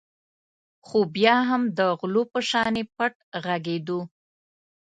خو بیا هم د غلو په شانې پټ غږېدو.